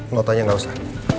notanya gak usah